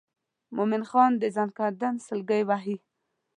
مومن خان د زکندن سګلې وهي.